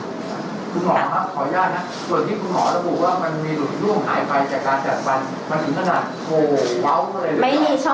ส่วนที่คุณหมอระบุว่ามันมีหลุดร่วงหายไปจากการจัดฟัน